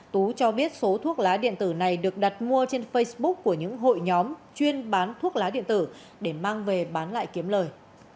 tú cho biết số thuốc lá điện tử này được đặt mua trên facebook của những hội nhóm chuyên bán thuốc lá điện tử để mang về bán lại kiếm lời